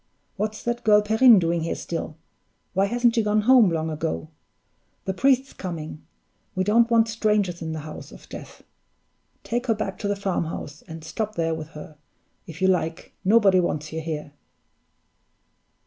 What's that girl Perrine doing here still? Why hasn't she gone home long ago? The priest's coming; we don't want strangers in the house of death. Take her back to the farmhouse, and stop there with her, if you like; nobody wants you here!"